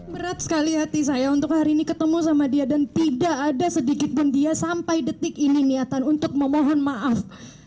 berat sekali hati saya untuk hari ini ketemu sama dia dan tidak ada sedikitpun dia sampai detik ini niatan untuk memohon maaf